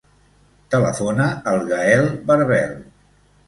Telefona al Gael Berbel.